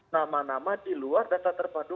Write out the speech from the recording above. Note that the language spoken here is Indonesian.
nama nama di luar data terpadu